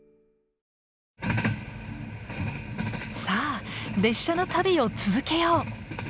さあ列車の旅を続けよう。